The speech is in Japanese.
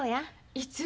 いつ？